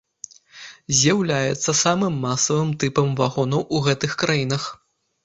З'яўляецца самым масавым тыпам вагонаў у гэтых краінах.